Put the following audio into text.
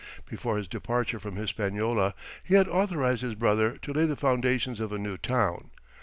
Before his departure from Hispaniola he had authorized his brother to lay the foundations of a new town.